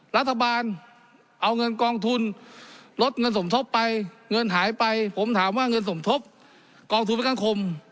รัฐบาลเอาเงินกองทุนลดเงินสมทบไปเงินหายไปผมถามว่าเงินสมทบกองทุนประกันคม